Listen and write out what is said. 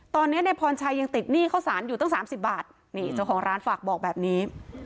ตอนนี้ในพรชัยยังติดหนี้ข้าวสารอยู่ตั้ง๓๐บาทนี่เจ้าของร้านฝากบอกแบบนี้